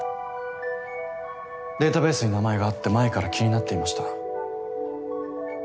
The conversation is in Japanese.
データベースに名前があって前から気になっていました。